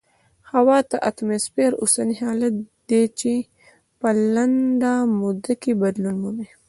هوا د اتموسفیر اوسنی حالت دی چې په لنډه موده کې بدلون مومي.